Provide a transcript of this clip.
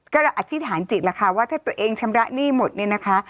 ก็อธิษฐานจิตแล้วค่ะว่าถ้าตัวเองชำระหนี้หมดเนี่ยนะคะ